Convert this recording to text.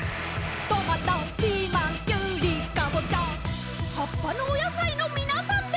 「トマトピーマンキュウリカボチャ」「はっぱのおやさいのみなさんです」